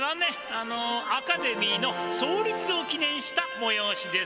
あのアカデミーの創立を記念したもよおしです。